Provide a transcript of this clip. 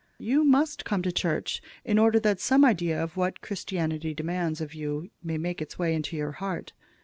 You must come to church, in order that some idea of what Christianity demands of you may make its way into your heart.